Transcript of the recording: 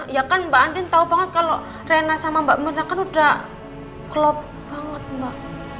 ya kan mbak andin tahu banget kalau rena sama mbak mina kan udah klop banget mbak